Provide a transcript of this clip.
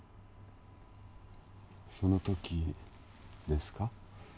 そのときですか？